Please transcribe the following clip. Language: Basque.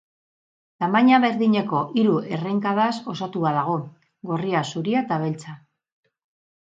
Tamaina berdineko hiru errenkadaz osatua dago: gorria, zuria eta beltza.